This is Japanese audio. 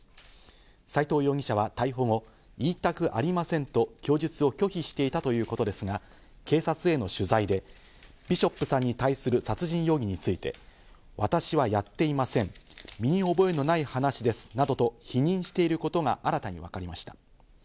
斎藤容疑者は逮捕後、言いたくありませんと供述を拒否していたということですが、警察への取材でビショップさんに対する殺人容疑について、私はやっていません、身に覚えのない話ですなどと否認していることが新たに分かりました。